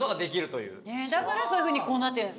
だからそういうふうにこうなってるんですか。